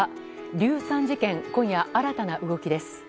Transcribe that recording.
硫酸事件、今夜新たな動きです。